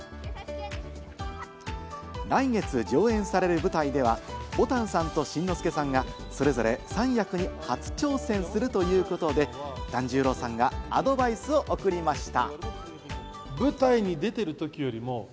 来月上演される舞台では、ぼたんさんと新之助さんがそれぞれ３役に初挑戦するということで、團十郎さんがアドバイスを送りました。